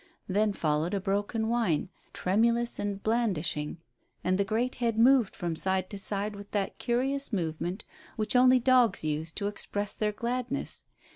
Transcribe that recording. Then followed a broken whine, tremulous and blandishing, and the great head moved from side to side with that curious movement which only dogs use to express their gladness.